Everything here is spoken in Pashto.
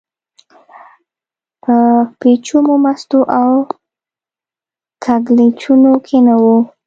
په پېچومو، مستو او کږلېچونو کې نه و.